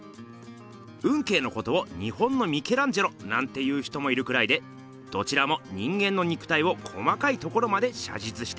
運慶のことを「日本のミケランジェロ」なんて言う人もいるくらいでどちらも人間の肉体を細かいところまで写実しています。